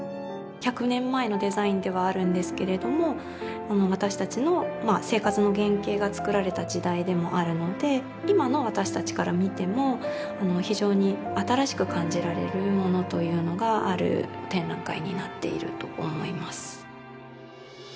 １００年前のデザインではあるんですけれども私たちの生活の原型が作られた時代でもあるので今の私たちから見ても非常に新しく感じられるものというのがある展覧会になっていると思います。